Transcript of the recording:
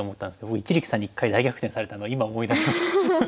僕一力さんに１回大逆転されたの今思い出しました。